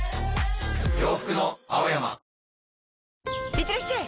いってらっしゃい！